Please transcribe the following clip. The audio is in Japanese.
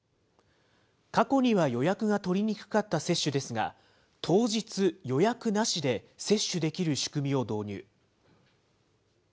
過去には予約が取りにくかった接種ですが、当日、予約なしで接種できる仕組みを導入。